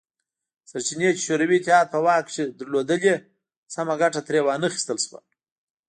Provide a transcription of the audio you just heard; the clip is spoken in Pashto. سرچینې چې شوروي اتحاد په واک کې لرلې سمه ګټه ترې وانه خیستل شوه